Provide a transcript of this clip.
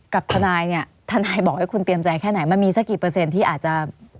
กับทนายเนี่ยทนายบอกให้คุณเตรียมใจแค่ไหนมันมีสักกี่เปอร์เซ็นต์ที่อาจจะ